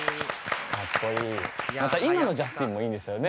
今のジャスティンもいいんですよね。